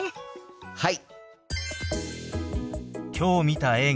はい！